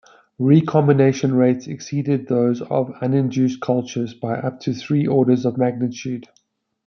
Recombination rates exceeded those of uninduced cultures by up to three orders of magnitude.